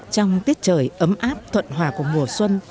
trong tiết trời ấm áp thuận hòa của mùa xuân